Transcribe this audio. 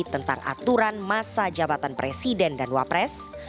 tentang aturan masa jabatan presiden dan wakil presiden